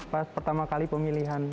pas pertama kali pemilihan